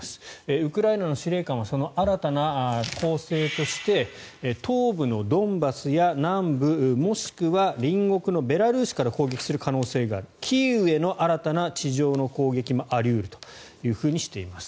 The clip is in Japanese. ウクライナの司令官は新たな攻勢として東部のドンバスや南部もしくは隣国のベラルーシから攻撃する可能性があるキーウへの新たな地上の攻撃もあり得るとしています。